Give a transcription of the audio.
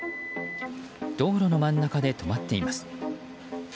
道路の真ん中で止まっています。